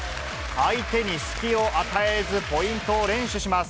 相手に隙を与えず、ポイントを連取します。